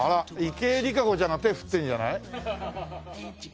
池江璃花子ちゃんが手振ってんじゃない？